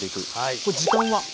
これ時間は？